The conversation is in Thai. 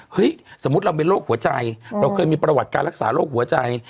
สมมุติเราเป็นโรคหัวใจเราเคยมีประวัติการรักษาโรคหัวใจ